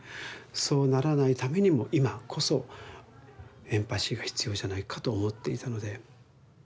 そうならないためにも今こそエンパシーが必要じゃないかと思っていたので。